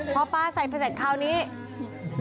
พ่อห์พาใส่ผนังให้ถึงร่อย